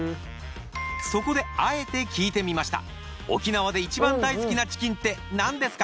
そこであえて聞いてみました。